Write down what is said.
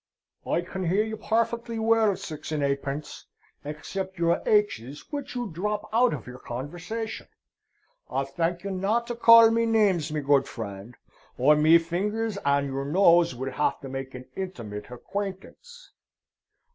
"I can hear you perfectly well, Six and eightpence, except your h's, which you dthrop out of your conversation. I'll thank ye not to call neems, me good friend, or me fingers and your nose will have to make an intimate hic quaintance.